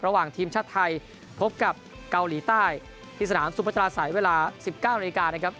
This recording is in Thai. ระหว่างทีมชาติไทยพบกับเกาหลีใต้ที่สนามสุพัตราสัยเวลา๑๙นาฬิกานะครับ